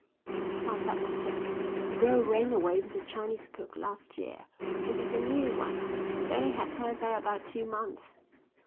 "That's why Butler took him. The girl ran away with the Chinese cook last year. This is a new one. He's only had her there about two months."